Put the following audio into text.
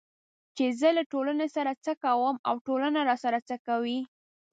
چې زه له ټولنې سره څه کوم او ټولنه راسره څه کوي